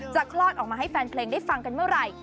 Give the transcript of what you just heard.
คลอดออกมาให้แฟนเพลงได้ฟังกันเมื่อไหร่